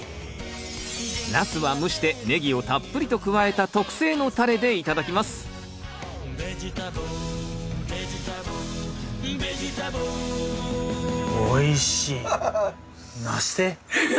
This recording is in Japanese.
ナスは蒸してネギをたっぷりと加えた特製のたれで頂きますハハハッ。